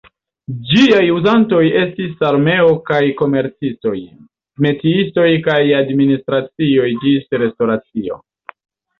Ĝiaj uzantoj estis armeo kaj komercistoj, metiistoj kaj administracioj ĝis restoracio.